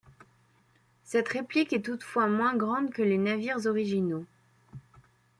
Cette réplique est toutefois moins grande que les navires originaux.